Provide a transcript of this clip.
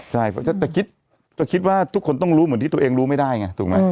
จะคิดว่าทุกคนต้องรู้เหมือนที่ตัวเองรู้ไม่ได้ไง